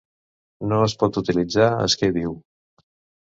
No es pot utilitzar esquer viu.